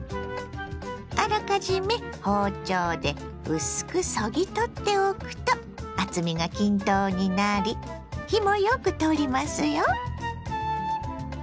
あらかじめ包丁で薄くそぎ取っておくと厚みが均等になり火もよく通りますよ。